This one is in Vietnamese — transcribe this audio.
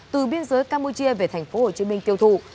từ biên giới campuchia về tp hcm tiêu thụ